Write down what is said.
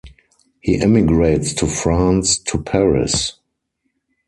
He emigrates to France, to Paris.